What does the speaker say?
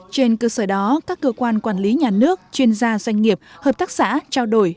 trên cơ sở đó các cơ quan quản lý nhà nước chuyên gia doanh nghiệp hợp tác xã trao đổi